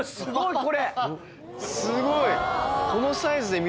すごい！